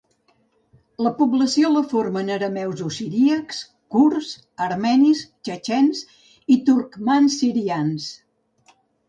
La població la formen arameus o siríacs, kurds, armenis, txetxens i turcmans sirians.